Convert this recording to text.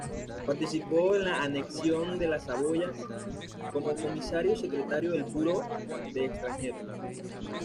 Participó en la Anexión de la Saboya como comisario secretario del Buró de extranjeros